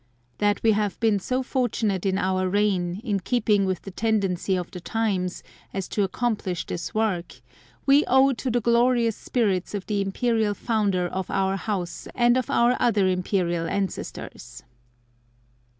That we have been so fortunate in Our reign, in keeping with the tendency of the times, as to accomplish this work, We owe to the glorious Spirits of the Imperial Founder of Our House and of Our other Imperial Ancestors.